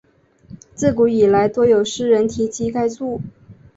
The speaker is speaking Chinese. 自古以来多有诗人提及该处。